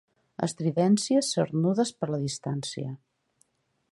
Estridències cernudes per la distància.